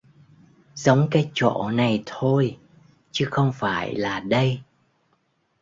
Giống cái chỗ này thôi chứ không phải là đây